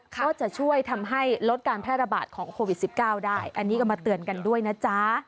ก็จะช่วยทำให้ลดการแพร่ระบาดของโควิด๑๙ได้อันนี้ก็มาเตือนกันด้วยนะจ๊ะ